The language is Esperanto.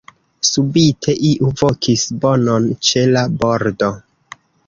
Subite iu vokis bonon ĉe la bordo.